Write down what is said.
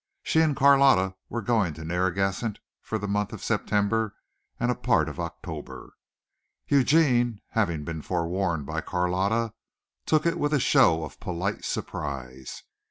She and Carlotta were going to Narragansett for the month of September and a part of October. Eugene, having been forewarned by Carlotta, took it with a show of polite surprise.